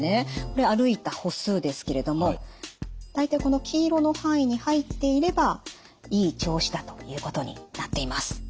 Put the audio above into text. これ歩いた歩数ですけれども大体この黄色の範囲に入っていればいい調子だということになっています。